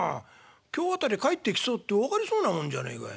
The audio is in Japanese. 今日辺り帰ってきそうって分かりそうなもんじゃねえかよ。